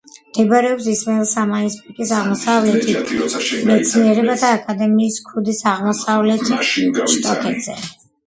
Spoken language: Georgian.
მდებარეობს ისმაილ სამანის პიკის აღმოსავლეთით, მეცნიერებათა აკადემიის ქედის აღმოსავლეთ შტოქედზე.